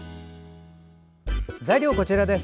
材料、こちらです。